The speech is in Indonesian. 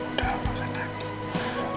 udah jangan nangis